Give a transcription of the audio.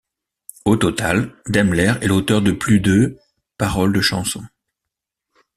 Au total, Demmler est l'auteur de plus de paroles de chansons.